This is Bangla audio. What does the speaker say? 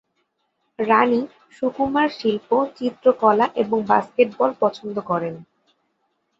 রানী সুকুমার শিল্প, চিত্রকলা এবং বাস্কেটবল পছন্দ করেন।